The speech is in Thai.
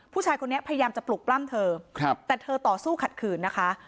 ผู้ชายคนนี้พยายามจะปลุกปล้ำเธอแต่เธอต่อสู้ขัดขืนนะคะ